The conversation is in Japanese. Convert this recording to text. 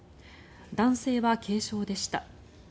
男性は軽傷でした。